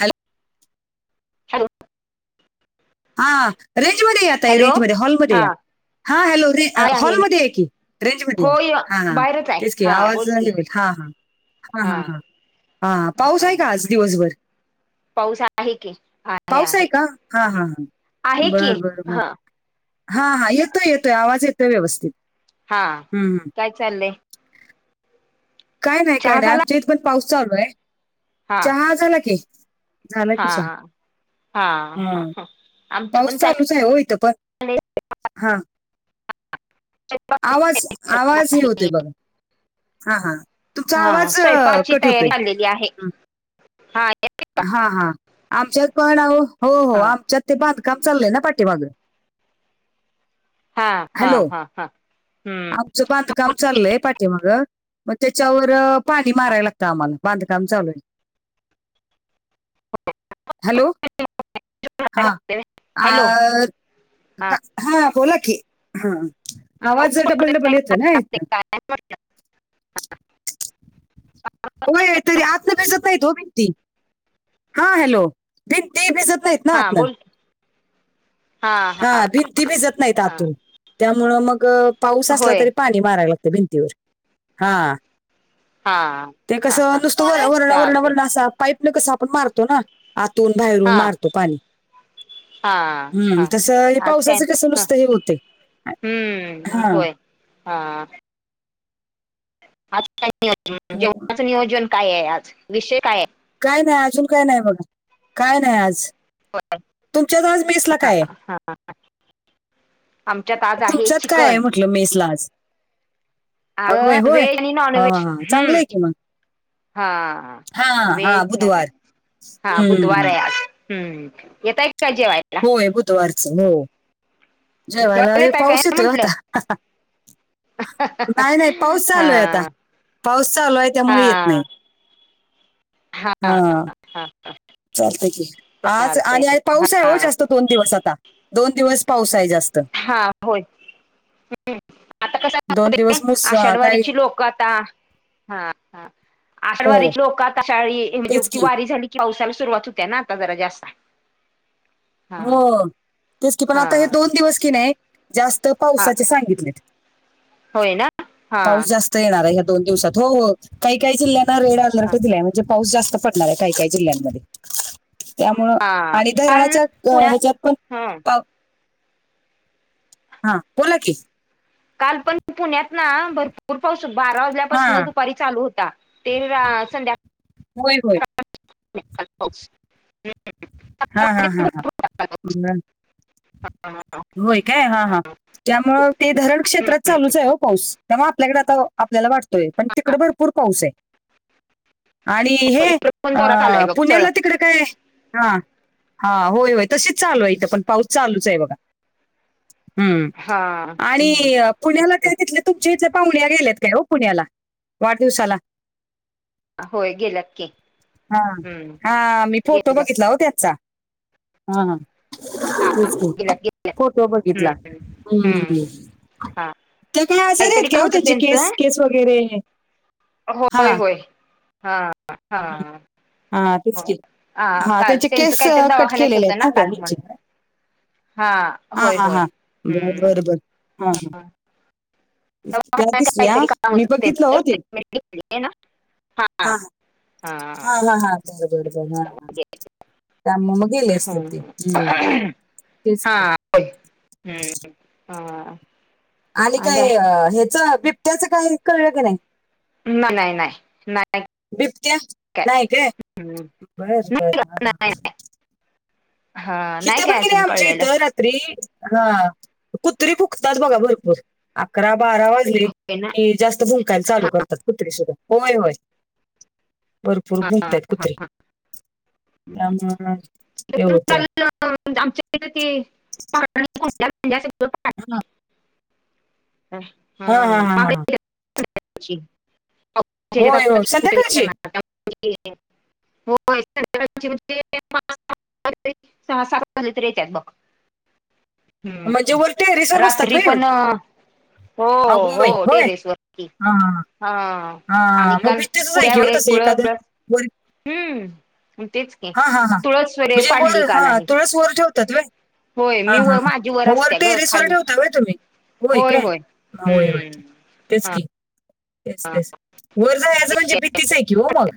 Hello. Hello. हा range मध्ये या तई हॅलो रेंज मध्ये या हॉलमध्ये हा या. हा हॅलो रे आहे आहे मी हॉलमध्ये या की रेंज मध्ये या होय हा हा बाहेरच आहे तेच की हा आवाज बोल की हे होईल. हां हां हा हां हां हां पाऊस आहे हा का आज दिवसभर पाऊस आहे की पाऊस आहे का हा हा हम्म हा. आहे की बरं बर बर हा हा हा येतोय येतोय आवाज येतोय व्यवस्थित. हा हम्म हम्म. काय चाललंय? काय नाही काय चहा नाही झाला आमच्या इथ पण पाऊस चालू आहे हा चहा झाला की. झाला की हा चहा हा हा पाऊस चालू चाय ओ इथ पण चाललंय हा. आवाज आवाज हे होते बघा हा हा. तुमचा हा आवाज स्वयंपाकाची कट होतोय हम्म. हां यालाय. हा हा आमच्यात पण हो हो हा आम च्यात ते बांधकाम चाललंय ना पाटीमागं. हा हा हॅलो हा हा हम्म आमच बांध काम चाललंय पाठी माग त्याच्यावर पाणी मारायला लागतं आम्हाला बांधकाम चालू आहे. हॅलो हा हॅलो आ का हा बोला की हा आवाज पाऊस डबल डबल येतोय ना पडतोय यातन. काय होय तरी आतन कशात नाहीत हो मेंटी. हा हॅलो भिंती भीजत नाहीत ना हा आतनं. बोल हा भिंती भिजत नाही हा आतून त्यामुळं मग पाऊस असला होय तरी पाणी माराय लागत भिंतीवर हा हा ते हा कसं हा नुसतं वरण वरण चालते वरण असा पाईप न कसं आपण मारतो ना. आतून हा बाहेरून मारतो पाणी. हा हम्म, हा तस हे आज काय पावसाचं कस नुसतं हे होते. हम्म, होय हा आज काय नियोजन, त्यामुळं जेवणाचं नियोजन काय आहे आज, विषय काय आहे,? काय नाही अजून काय नाही बघ, काय नाही आज. तुमच्यात आज मेस ला काय आहे? हां. आमच्यात आज आहे चिकन. मेसलाच अगं व्हेज आणि हा हा नॉनव्हेज हा चांगलं हम्म आहे की मग हा हा हा व्हेज बुधवार -नॉनव्हेज, हा बुधवार हम्म आहे आज हम्म, येताय काय जेवाय? होय बुधवारचं हो जेवायला येताय काय पाऊस येतोय ओ म्हंटलं आता. नाही नाही पाऊस चालू आहे आता हा पाऊस चालू आहे त्यामुळे येत हा नाही. [inaudible] हा हा चालतय की आज चालतय आणि पाऊस आहे हा हो जास्त दोन दिवस आता, दोन दिवस पाऊस आहे जास्त. हा होय. हम्म, आता कस दोन ते दिवस मुस अं, काय आषाढवारीची लोक आता हा हा आषाढ हो वारीत लोकात आषाढ म्हणजे तेच ती की वारी झाली पावसाला सुरुवात होते ना आता जरा जास्त. हा हो तेच की पण हा आता हे दोन दिवस की नाही जास्त हा पावसाचे सांगितले. होय ना हा पाऊस जास्त येणार ह्या दोन दिवसात हो काही काही जिल्ह्यांना रेड हा अलर्ट दिलाय म्हणजे पाऊस जास्त पडणार आहे काही काही जिल्ह्यांमध्ये त्यामुळं हा आणि धराणाच्या पुण्यात हा पण हा बोला की काल पण पुण्यात ना भरपूर पाऊस बारा वाज हा ल्यापसन दुपारी चालू होता. ते संध्या होय होय पाऊस हा हा हा हा ब होय काय. हा हा त्यामुळ ते धरण क्षेत्रात चालूच आहे ओ पाऊस त्यामुळे आपल्याकडे आता आपल्याला वाटत य पण तिकड भरपूर पाऊस आहे. आणि हे इकडे पण जोरात अ आलाय बघ पुण्याला चळक तिकडे काय हा हा होय होय तशीच चालू आहे इथं पण पाऊस चालूच आहे बघा. हम्म, हा आणि पुण्याला ते तिथले तुमच्या इथले पाहुण्या गेलेत काय ओ पुण्याला वाढदिवसाला होय गेल्यात की हा हम्म हा मी फोटो गेल्यात बघितला ओ त्याचा हा ह हा तेच की गेल्यात फोटो बघितला. हम्म हम्म हम्म हम्म हा ते काय आजरी आहेत काहीतरी काय काम ओ होतं त्यांचे त्यांचं केस केस वगैरे. होय हा [inaudible] होय हा हा! हा तेच की आ हां, का त्याचे त्यांचं केस काहीतरी अ, कट दवाखान्याच केलेले होत आहेत ना त्या काल पण. ह्याचे? हा हां, होय, हां, होय हां. बरं, हूं बरं, बरं. हां, हां. हा! त्या दिसल्या काम मी होतं बघितलं ओ त्यांचं ते. ट्रीटमेंट घेतली ना हा हा हा हा हा, बर बर बर हा! त्यामुळं मग गेले असतेल ते हम्म. हूं तेच की. हूं हा! आणि काय ह्याच बिबट्याचं, काही कळलं की नाही? ना नाही, नाही, नाही. बिबट्या, नाही काय हम्म. बर नाही ग, नाही. बर. हा नाही काय की अजून आमच्या कळलेलं. इथं रात्री हं कुत्री भुकतात बघा भरपूर, अकरा बारा वाज लीं होय ना की जास्त भुं कायला चालू करतात कुत्रीे सुद्धा, होय, होय भरपूर हा. भुंकताय कुत्रीे. ते आमच्या मनात ते होतंय. आमच्याकडे [unintelligible] [unintelligible] हं हां, हां, हां, हां. [unintelligible] ची होय, होय. संध्याकाळची [unintelligible] होय [unintelligible] सहा सहा मदे तरी येत्यात बग. म्हणजे हूं वर टेरेसवर बसतात रात्री व्हय येऊन पण हो, अगो हो बाई होय टेरेस वरती हां, हां, हां. हा! आणि हां, मग काल भिंतीचंच आहे की हो कुड्यावर एक तसं कुळ हूं! एखादं वर तेच की हां हां हां तुळस वगैरे म्हणजे पाडली वर, काल हा आणि तुळस वर ठेवतात वय. होय हा मी हा व हा माझी मग वर असते ग टेरीस वर खाली ठेवता व्हयं तुम्ही. होय काय, होय, होय तेच की. तेस, तेस वर जायाच म्हणजे भीतीच आहे की हो मग.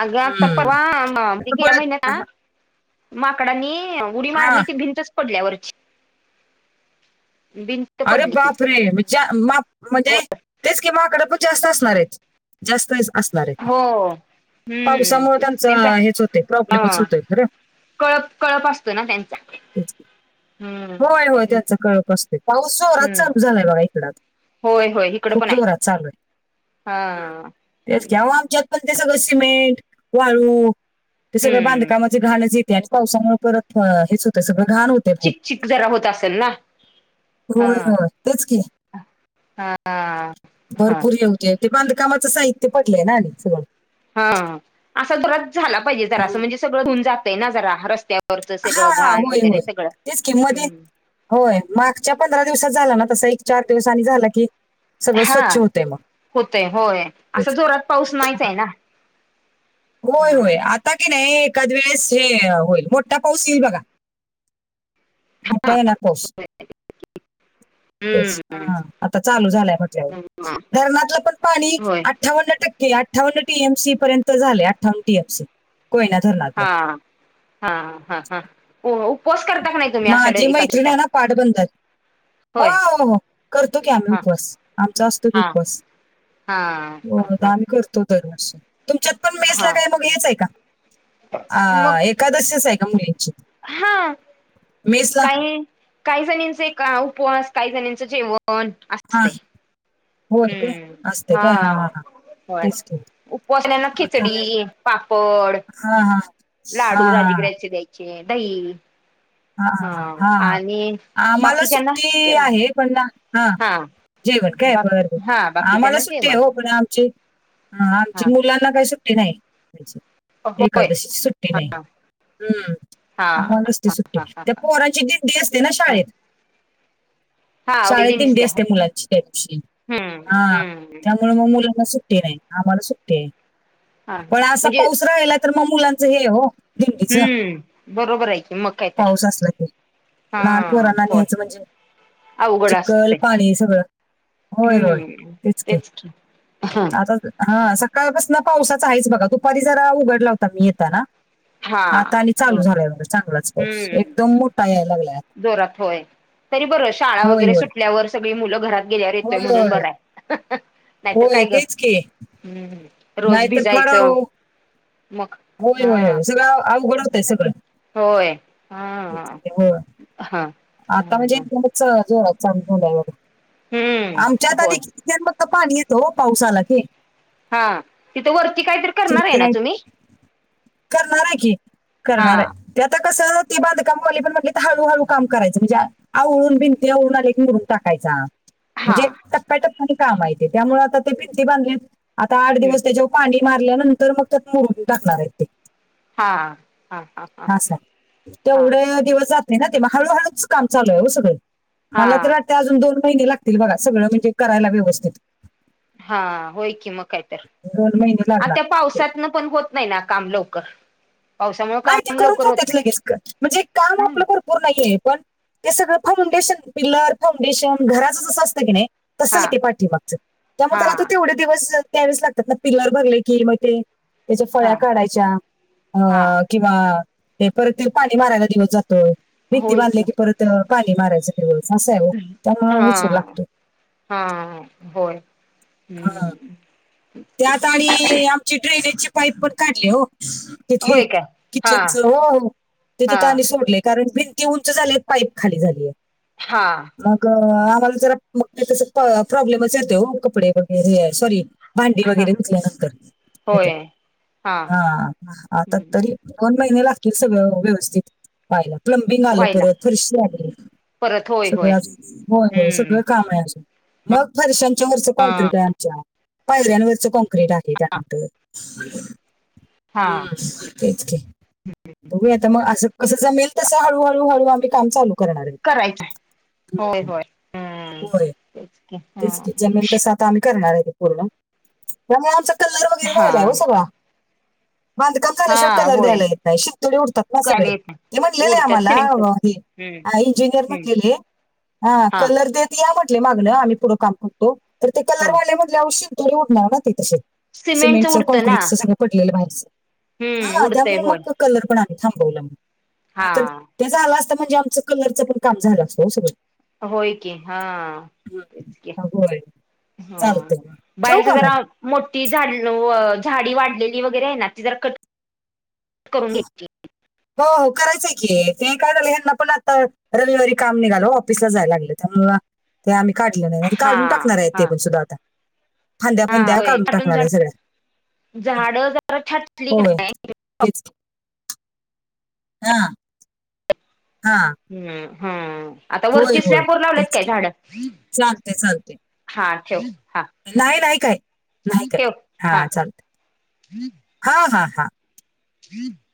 आगं आता हम्म. परवा हा ती गेल्या पण महिन्यात ना. माकडांनी उडी हां मारली ती भिंतच पडल्या वरची भिंत अरे पडली बापरे! च्या माप हो म्हणजे तेच की माकड पण जास्त असणार आहे जास्त असणार आहे ते, हो पावसामूळ हम्म त्यांचं त्यांचा हेच होत प्रॉब्लेमच अ होतोय खर. कळप, कळप असतो ना त्यांचा. तेच की. हम्म होय, होय त्यांचा कळप असतोय, पाऊस जोरात हम्म चालू झालाय बघा इकड आता. होय, होय हीकड खूप पण आहे. चालू जोरात आहे हा तेच की अहो आमच्यात पण ते सगळं सिमेंट, वाळू, ते सगळं हम्म बांधकामाची घाणच येतेयां. पावसामुळं परत हं हेच होत सगळं घाण होत चिक -चिक जरा होत असेल ना? हा होय -होय तेच की हा हा भरपूर हे होतंय. ते बांधकामाचं साहित्य पडलंय ना आणि सगळं. हा असा जोरात झाला पाहिजे जरा असं हम्म. म्हणजे, सगळं धुवून जातय ना जरा रस्त्या वरच हा सगळं हा घाण होय वगैरे होय सगळं तेच की मध्ये हूं. होय मागच्या पंधरा दिवसात झाला ना तस एक चार दिवस आणि झाला की सगळं हा स्वच्छ होतंय मग होतय होय असं तेच की. जोरात पाऊस नाहीच हा. आहे ना. होय हा होय आता की नाही एखकाद वेळेस हे होईल मोठा पाऊस येईल बघा. मोठा येणार पाऊस. ते ह हम्म आता चालू झालंय म्हटल्यावर धरणातलं पण पाणी होय अठ्ठावन्न टक्के अठाव्न टीम सी पर्यंत झाले आठावन्न टीम सी. कोयना धरणात. हा हा हा हा. उपवास करता का नाही तुम्ही आषाढी माझी मैत्रीण एकादशीचा? आहे ना पाटबंधात हो होय हो हो करतो की आम्ही हा उपवास आमचा असतो की हा उपवास. हा ह हा. त दरवर्षी तुमच्यात पण मेसला हा काय मग हेच आहे का. मग कदासच आहे का मुलींची. हा मेसला काय. काही जणीचा एक उपवास काही जणचं जेवण. हा असते होर का असस्ते का हा ह ह. हो उपासण्याना आहे खिचडी पापड. हा हा. हा लाडू हा राजगिरा्याचे द्यायचे दही हा हा आणि आम्हाला बाकीच्यांना सुट्टी जेवण आहे पण ना. हा जेवण काय बा बरोबर हा आम्हाला बाकीच्यांना सुट्टी आहे जेवण हो पण आमची. हा आमची मुलांना काही सुटी नाही. होय एकादशीची सुट्टी नाही हा हम्म हा आ्हा नसते सुट्टी. हा हा परांची दिंडी असते ना हा शाळेत हा शाळेत वेजिंग्स तंडी ते असते आहेत मुलांची. हम्म हा हम्म त्यामुळे मग मुलांना सुट्टी नाही आम्हाला सुट्टी आहे. हा पण असा म्हणजे पाऊस राहिला तर मग मुलांच हे हो. दिंडीच हम्म बरोबर आहेय क मकाय. पाऊस असला क लहान पोरांना होय न्यायचं म्हणजे अवघड चिखल असते पाणी सगळं होय होय हम्म तेचक तेच की आताच हा सकाळपासन पावसाचा आहेच बघा दुपारी जरा उघडला होता मी येेत ना. हा आता आणि चालू हो झालाय मझ चांगलाच पाऊस हम्म एकदम मोठा याय लागला जोरात होय तरी बरं शाळा होय वगैरे होय. सुटल्यावर सगळी मुलं घरात गेल्यावर येतोय होय म्हणून होय बर आहे नाहीतर होय काय ग तेच की हम्. रोज नाहीतर फार भिजायचं. अहो मग होय हा होय होय सगळ आवघ घडवतय सगळं. होय हा होय हा. आता हम्म म्हणजेां आमच्यात आ होय मग पाणी येतं पावसाला क हा तिथं वरती काहीतरी करणार आहे ना खिडक्या तुम्ही. करणार आहे की हा करणार आहे ते आता कस बांधकामवाली पण म्हणली तर हळू हळू काम करायच म्हणजे आवळून भिनती आवळून आले म्हून टाकायचा हा म्हणजे काम मा त्यामुळे आता ते भिंती बांधलेत आता आठ हम्म दिवस त्याच्या पाणी मारल्यानंतर मग त्यात मुरून टाकणार आहेत ते. हा हा हा हा ह हा तेवढ्या दिवसात. ते ना ते म हळू-हळूच काम चालू आहे ओ सगळे हा माला तर ते अजून दोन महिने लागतील बघा, सगळं म्हणजे करायला व्यवस्थित. हा होय की मग कायतर, दोन महिने आ लागणार त्या ते पावसातन पण होत नाही ना काम लवकर. पावसामुळे नाही ते काम करून लवकर होत जात्यांत लगेचकण म्हणजे काम नाही आपलं पोर नाहीेये पण ते सगळं फाउंडेशन, पिल्लर, फाउंडेशन घराचं जसं असतं की नाही तस आहे हा ते पाठीमागचं, त्यामुळे हा त्याला त तेवढे दिवस द्यावेच लागतात ना पिलर भरलं की म ते त्याच्या फळ्या हा काढायच्या हा अ किंवा हे परत पाणी मारायला दिवसं जातोय भित्ती बांधल्या की परत पाणी मारायच. तेव अस आहे ओ त्यामूळ उशीर लागतो. हा हा बोल हूं! त्या आता आणि आमची ड्रेनेजची पाईप पण काढली हो. तिथली होय काय हा किचनचं हो तेथे हा तानी सोडल कारण फी ती उंच झालेय पाईप खाली झालीयां हा! मग आम्हाला जरा मगं तेचा तसा प्रॉब्लेमच येते हो कपडे वगैरे सॉरी. भांडी हा वगैरे विकल्यानंतर तिथ होय हा आता तरी. दोन महिने लागतील, सगळं व्यवस्थित पाहायला प्लंमबिंग आलं व्हायला परत फरशी आली. परत होय होय सगळं अजु होय, होय हम्म सगळं काम आहे आजून. मग फर्शांच्या वरच हा कोंकरीट आहे आमच्या पायऱ्यांवरच कोंक क्रीट आहे त्यानंतर हा तेच की. बघू यां आता म असं कसं जमेल तस हळू-हळू, हळू आम्ही काम चालू करणार आहे. करायचं होय, होय हूं! होय ते च की. तेच की जमेल तसं आता आम्ही करणार आहे ते पूर्ण त्यामुळे आमचा कल्लर वगैरे हा राहिला हो सगळा. बांधकाम केल्याशिवाय हा कलर होय दयायला येत नाही, शिंतोडे उडतात ना कळालं सगळे. येत ते म्हणलेले उडत्यात आम्हाला सिमेंटच हम्म आ इंजिनियर हम्म म्हणलेले हा कलर देत ते यां म्हटले मागन, आम्ही पुढे काम करतो तर ते हा! ते म्हणले आओ शिंतोडे उडणार ना तिथं, सिमेंट सिमेंटच च उडतं ना काँकरीट च पडलेलं बाहेरच, हम्म हा उडतंय त्यामुळे होय मग कलर पण आमी थांबवला म हा नाहीतर ते झाल असता म्हणजे आमचं कलरचंपण काम झाल असत हो सगळं. होय, की हा! हम्म. की होय हा चालतंय मग ठेवू बाहेरच का जरा मग आव मोठी झाडी व झाडी वाढलेली वगैरे आहे ना ती जरा कट करून घ्यायची. हो हो करायचंय की ते काढायला ह्याना पण आता रविवारी काम निघाल हो, ऑफिसला जायला लागलं त्यामुळ. ते आम्ही काढले नाही, नाही त हा काढून टाकणार आहेत हा ते पण सुद्धा आता. फांद्या, हा फांद्या होय काढून छाटून टाकणार ये झाड सगळ्या झाड जरा छाटली क होय. तेच. हा! हा! हूं हं आता होय वरती होय स्लॅप वर लावले की तेच काय झाड? चालते चालते हा ठेव हा! नाही, नाही काय, नाही काय, हा चाल हा हा हा. [inaudible]